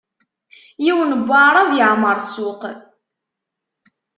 Yiwen n waɛrab yeɛmeṛ ssuq.